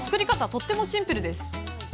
とってもシンプルです。